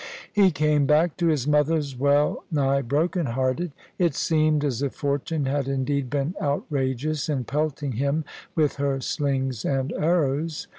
He came back to his mother's well nigh broken hearted: it seemed as if Fortune had indeed been outrageous in pelting him with her slings and arrows.